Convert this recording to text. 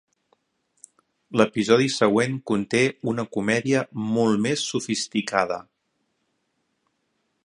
L'episodi següent conté una comèdia molt més sofisticada.